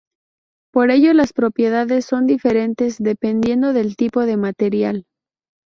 Por ello las propiedades son diferentes dependiendo del tipo de material.